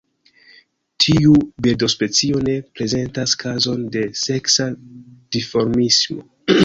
Tiu birdospecio ne prezentas kazon de seksa dimorfismo.